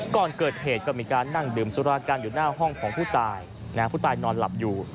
ก่อนเกิดเหตุก็มีการนั่งดื่มสุรากันอยู่หน้าห้องของผู้ตายผู้ตายนอนหลับอยู่